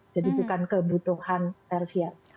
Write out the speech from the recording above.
jadi bukan kebutuhan tertiary